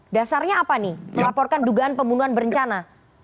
dasarnya apa nih melaporkan dugaan pembunuhan berencana